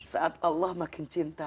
saat allah makin cinta